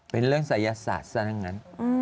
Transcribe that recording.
เป็นเรื่องศัยศาสตร์ซะทั้งนั้น